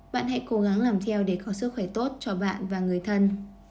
bạn hãy cố gắng làm theo để có sức khỏe tốt cho bạn và người thân